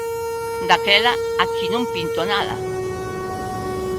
Daquela aquí non pinto nada.